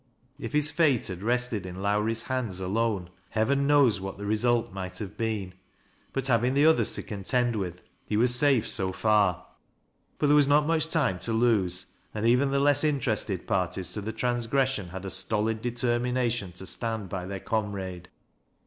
If his fate had rested in Lowrie's hands alone, heaven knows ■^hat the result might have been ; but having the ethers to contend with, he was »afe BO far. But there was not much time to ^ose, and 186 TBAT LASS 0' hOWBIBPS. even tlie less interested parties to the transgression had % stolid determination to stand by their comrade.